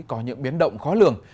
có những biến động khó lường